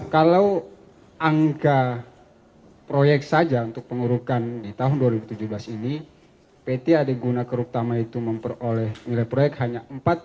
kalau angka proyek saja untuk pengurukan di tahun dua ribu tujuh belas ini pt adeguna keruptama itu memperoleh nilai proyek hanya empat puluh empat dua ribu satu ratus lima puluh delapan